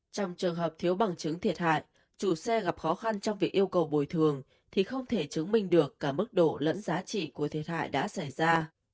trong trường hợp thiếu bằng chứng thiệt hại chủ xe gặp khó khăn trong việc yêu cầu bồi thường thì không thể chứng minh được cả mức độ lẫn giá trị của thiệt hại đã xảy ra